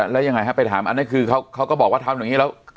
แล้วยังไงฮะไปถามอันนั้นคือเขาก็บอกว่าทำอย่างนี้แล้ว